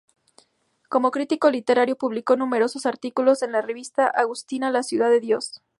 Como crítico literario publicó numerosos artículos en la revista agustina "La Ciudad de Dios".